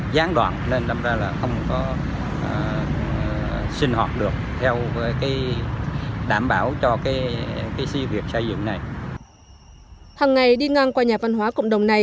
việt nam trung quốc